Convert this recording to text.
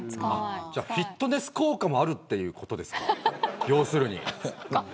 じゃあフィットネス効果もあるってことですか、要するに。